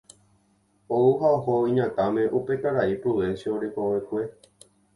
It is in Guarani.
ou ha oho iñakãme upe karai Prudencio rekovekue.